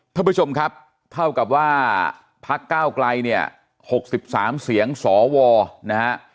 ท่านผู้ชมครับเท่ากับว่าพกไกล๖๓เสียงสวนะฮะ